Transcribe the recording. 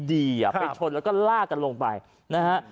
ไปชนแล้วก็ลากกันลงไปนะฮะ